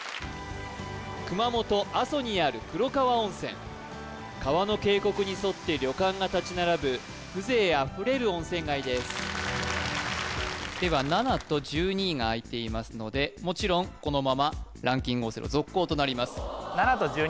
熊本阿蘇にある黒川温泉川の渓谷に沿って旅館が立ち並ぶ風情あふれる温泉街ですでは７と１２位が空いていますのでもちろんこのままランキングオセロ続行となります